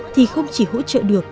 thì không chỉ hỗ trợ được